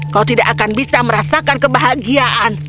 kau tidak akan bisa merasakan kebahagiaan